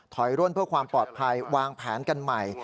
ร่วนเพื่อความปลอดภัยวางแผนกันใหม่